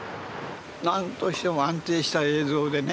何としても安定した映像でね